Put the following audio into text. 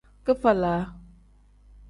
Kifalag.